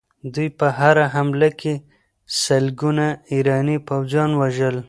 دوی په هره حمله کې سلګونه ایراني پوځیان وژل.